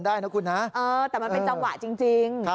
แต่มันเป็นจังหวะจริง